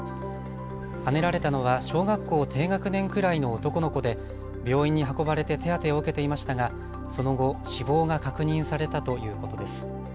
はねられたのは小学校低学年くらいの男の子で病院に運ばれて手当てを受けていましたがその後、死亡が確認されたということです。